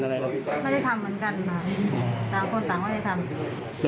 ไม่ได้ทำเหมือนกันตามทองได้ทำ